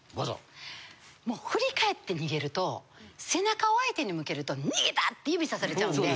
振り返って逃げると背中を相手に向けると「逃げた！」って指さされちゃうので。